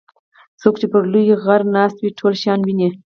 څوک چې پر لوی غره ناست وي ټول شیان ویني.